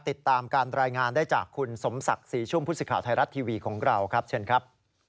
ติดตามการรายงานได้จากคุณสมศักดิ์๔ช่วงพุทธศิกาไทยรัตน์ทีวีของเราครับเชิญครับ